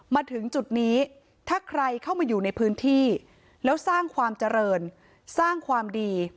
มาถึงจุดนี้ถ้าใครเข้ามาอยู่ในพื้นที่แล้วสร้างความเจริญสร้างความดี